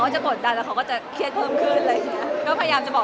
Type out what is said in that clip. เขาจะกดดันแล้วเขาก็จะเครียดเพิ่มขึ้นอะไรอย่างนี้ค่ะ